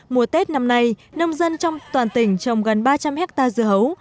mùa tết năm nay nông dân trong toàn tỉnh trồng gần ba trăm linh hectare dưa hấu